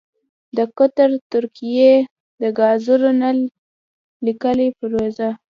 دقطر ترکیې دګازو نل لیکې پروژه: